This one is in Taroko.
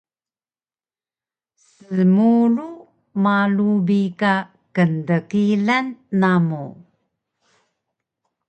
Smulu malu bi ka kndkilan namu